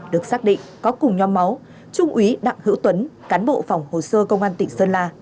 được xác định có cùng nhóm máu trung úy đặng hữu tuấn cán bộ phòng hồ sơ công an tỉnh sơn la